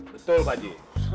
betul pak ajie